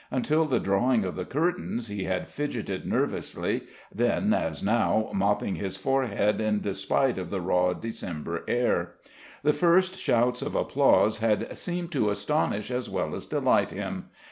Until the drawing of the curtains he had fidgeted nervously, then, as now, mopping his forehead in despite of the raw December air. The first shouts of applause had seemed to astonish as well as delight him.